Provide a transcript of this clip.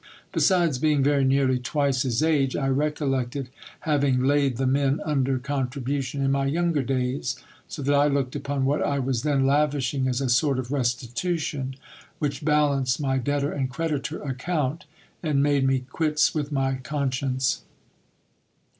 Besides being very nearly twice his age, I recollected having laid the men under contribution in my younger days ; so that I looked upon what I was then lavishing as a sort of restitution, which balanced my debtor and creditor account, and made me quits with my conscience.